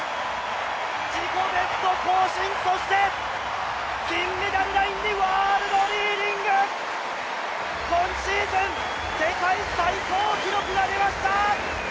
自己ベスト更新、そして金メダル、ワールド・リーディング、今シーズン世界最高記録となりました。